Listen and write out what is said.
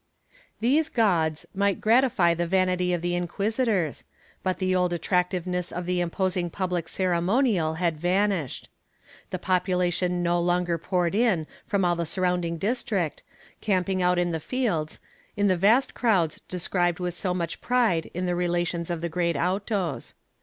^ These gauds might gratify the vanity of the Inquisitors, but the old attractiveness of the imposing public ceremonial had vanished. The population no longer poured in from all the surrounding distrct, camping out in the fields, in the vast crowds described with so much pride in the relations of the great autos.